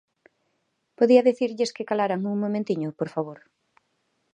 ¿Podía dicirlles que calaran un momentiño, por favor?